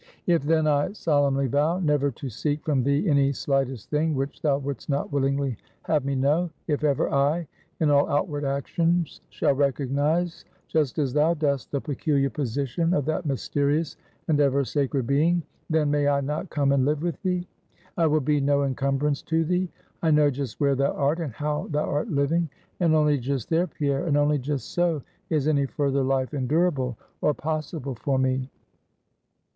"If then I solemnly vow, never to seek from thee any slightest thing which thou wouldst not willingly have me know; if ever I, in all outward actions, shall recognize, just as thou dost, the peculiar position of that mysterious, and ever sacred being; then, may I not come and live with thee? I will be no encumbrance to thee. I know just where thou art, and how thou art living; and only just there, Pierre, and only just so, is any further life endurable, or possible for me.